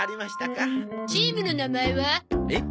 チームの名前は？えっ？